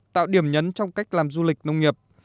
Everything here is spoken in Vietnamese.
tạo điểm nhấn trong cách làm du lịch nông nghiệp